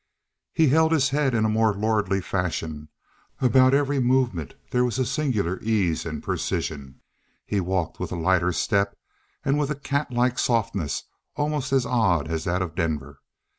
He held his head in a more lordly fashion. About every movement there was a singular ease and precision. He walked with a lighter step and with a catlike softness almost as odd as that of Denver.